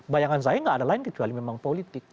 bayangan saya nggak ada lain kecuali memang politik